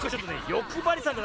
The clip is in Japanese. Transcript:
よくばりさんだな。